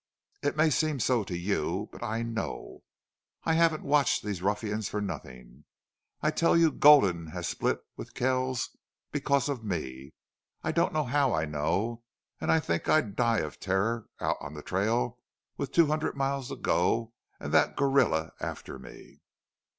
"It may seem so to you. But I KNOW. I haven't watched these ruffians for nothing. I tell you Gulden has split with Kells because of me. I don't know how I know. And I think I'd die of terror out on the trail with two hundred miles to go and that gorilla after me."